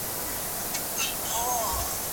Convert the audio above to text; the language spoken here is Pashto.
په حضوري زده کړه کي زده کوونکي د بحث فضا تجربه کوي.